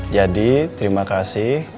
jadi terima kasih karena kamu